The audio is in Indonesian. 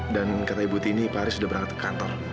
dan kata ibu tini pak haris udah berangkat ke kantor